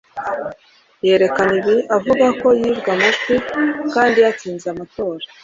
yerekana ibi avuga ko yibwe amajwi kandi yatsinze amatora.